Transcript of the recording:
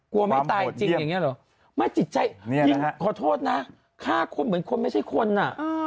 ไม่ตายจริงอย่างนี้เหรอไม่จิตใจยิ่งขอโทษนะฆ่าคนเหมือนคนไม่ใช่คนอ่ะ